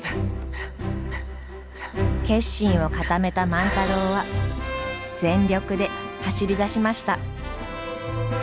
決心を固めた万太郎は全力で走りだしました。